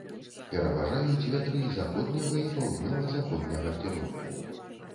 Пераважаюць вятры заходняга і паўднёва-заходняга кірунку.